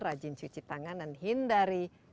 rajin cuci tangan dan hindari